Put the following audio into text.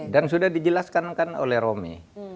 dan sudah dijelaskan kan oleh romy